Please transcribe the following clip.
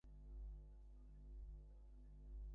ঐরূপ করিবার চেষ্টা করিও না।